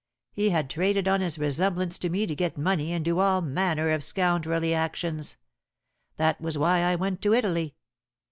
He had traded on his resemblance to me to get money and do all manner of scoundrelly actions. That was why I went to Italy.